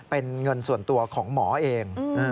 เป็นเงินส่วนตัวของหมอเอง